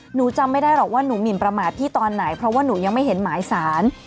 หนูจำไม่ได้หรอกว่าหนูหมินประมาทพี่ตอนไหนเพราะว่าหนูยังไม่เห็นหมายสาร